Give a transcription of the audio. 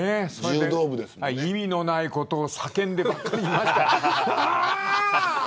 意味のないことを叫んでばっかりいました。